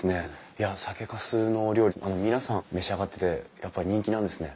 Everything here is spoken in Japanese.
いや酒かすのお料理皆さん召し上がっててやっぱ人気なんですね。